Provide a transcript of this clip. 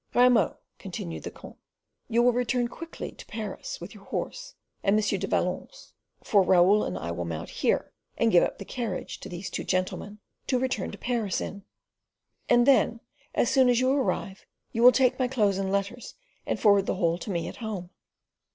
"Grimaud," continued the comte, "you will return quietly to Paris with your horse and M. du Vallon's, for Raoul and I will mount here and give up the carriage to these two gentlemen to return to Paris in; and then, as soon as you arrive, you will take my clothes and letters and forward the whole to me at home."